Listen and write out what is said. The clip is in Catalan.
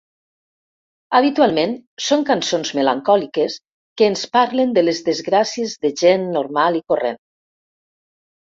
Habitualment són cançons melancòliques que ens parlen de les desgràcies de gent normal i corrent.